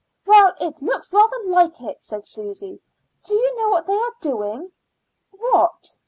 "Well, it looks rather like it," said Susy. "Do you know what they are doing?" "What?"